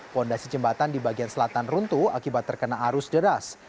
fondasi jembatan di bagian selatan runtuh akibat terkena arus deras